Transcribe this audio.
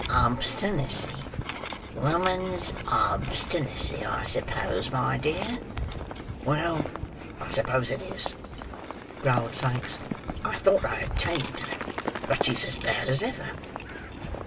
"Obstinacy; woman's obstinacy, I suppose, my dear." "Well, I suppose it is," growled Sikes. "I thought I had tamed her, but she's as bad as ever."